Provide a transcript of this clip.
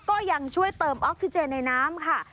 ก็ยังช่วยเติมออกซิเจนในน้ำค่ะ